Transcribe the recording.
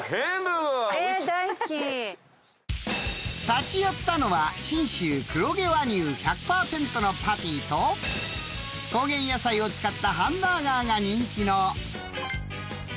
［立ち寄ったのは信州黒毛和牛１００％のパティと高原野菜を使ったハンバーガーが人気の］